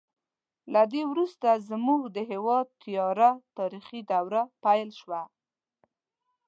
له دې وروسته زموږ د هېواد تیاره تاریخي دوره پیل شوه.